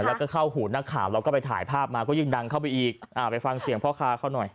แล้วก็เข้าหูนักข่าวเราก็ไปถ่ายภาพมาก็ยิ่งดังเข้าไปอีกอ่าไปฟังเสียงพ่อค้าเขาหน่อย